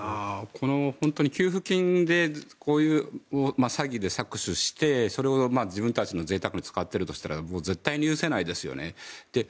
本当に給付金でこういう詐欺で搾取してそれを自分たちのぜいたくに使っているとしたら絶対に許せないですよね。